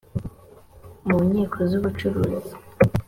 mu nkiko z ubucuruzi